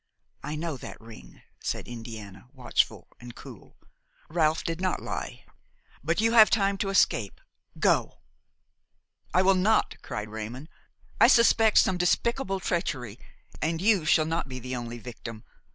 "I know that ring," said Indiana, watchful and cool. "Ralph did not lie; but you have time to escape; go!" "I will not," cried Raymon; "I suspect some despicable treachery and you shall not be the only victim.